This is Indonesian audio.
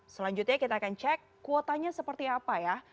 selanjutnya kita akan cek kuotanya seperti apa ya